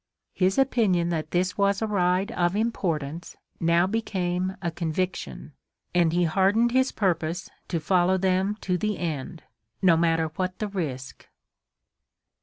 His opinion that this was a ride of importance now became a conviction, and he hardened his purpose to follow them to the end, no matter what the risk.